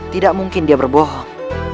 tidak mungkin dia berbohong